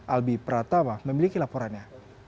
albi pratama memiliki laporannya